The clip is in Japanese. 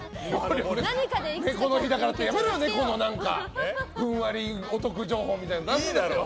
猫の日だからってやめろよ、猫のふんわりお得情報みたいなの。